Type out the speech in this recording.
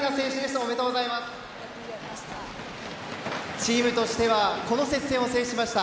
チームとしてはこの接戦を制しました。